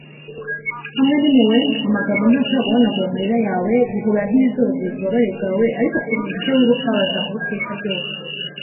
hamwe n'impuhwe amagambo ntashobora guhanagura amarira yawe guhobera ntibizorohereza ububabare bwawe ariko komeza ibyo wibuka bazahoraho iteka ryose